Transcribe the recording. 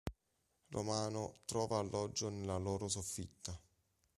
Romano trova alloggio nella loro soffitta.